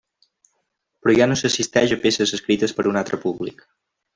Però ja no s'assisteix a peces escrites per a un altre públic.